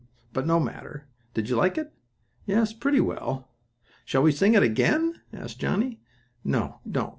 But no matter. Did you like it?" "Yes, pretty well." "Shall we sing it again?" asked Johnnie. "No, don't!"